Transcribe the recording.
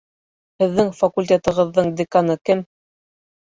Һеҙҙең факулыетығыҙҙың деканы кем?